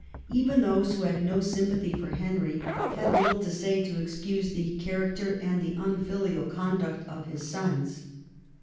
Even those who had no sym pathy for Henry had little to say to excuse the charac ter and the unfilial conduct of his sons.